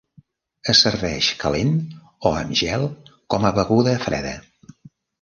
Es serveix calent o amb gel com a beguda freda.